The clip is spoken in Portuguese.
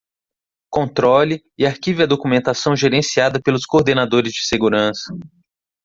Controle e arquive a documentação gerenciada pelos coordenadores de segurança.